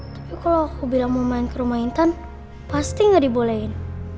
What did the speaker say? tapi kalau aku bilang mau main ke rumah intan pasti nggak dibolehin